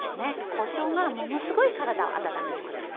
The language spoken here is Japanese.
こしょうがものすごい体を温めてくれるから。